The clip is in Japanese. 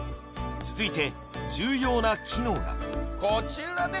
続いて重要な機能がこちらです